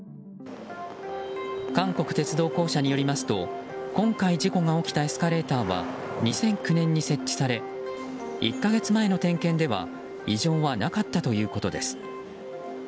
韓国鉄道公社によりますと今回事故が起きたエスカレーターは２００９年に設置され１か月前の点検では異常はなかったということです。